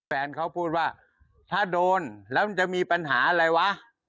แฟนเขาพูดว่าถ้าโดนแล้วมันจะมีปัญหาอะไรวะ